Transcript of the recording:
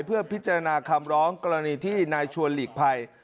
เพื่อพิจารณาคำร้องกรณีที่นายชวนหลีกภัย